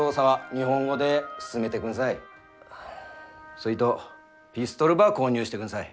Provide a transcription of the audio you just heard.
そいとピストルば購入してくんさい。